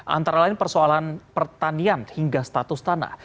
antara lain persoalan pertanian hingga status tanah